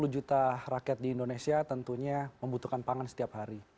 dua ratus enam puluh juta rakyat di indonesia tentunya membutuhkan pangan setiap hari